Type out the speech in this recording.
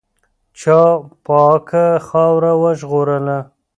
چا پاکه خاوره وژغورله؟